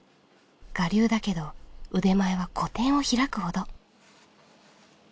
我流だけど腕前は個展を開くほど。